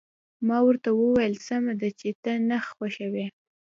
ما ورته وویل: سمه ده، چې ته نه خوښوې.